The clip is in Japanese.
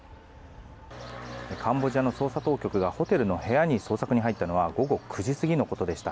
カンボジアの捜査当局がホテルの部屋に捜索に入ったのは午後９時過ぎのことでした。